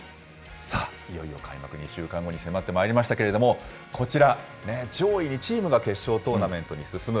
さあ、いよいよ開幕２週間後に迫ってまいりましたけれども、こちら、上位２チームが決勝トーナメントに進む。